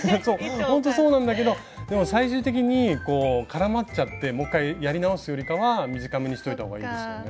ほんとそうなんだけどでも最終的に絡まっちゃってもう一回やり直すよりかは短めにしといた方がいいですよね。